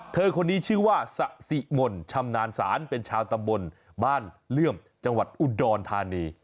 เธอคนนี้ชื่อว่าสะสิมนชำนาญศาลเป็นชาวตำบลบ้านเลื่อมจังหวัดอุดรธานี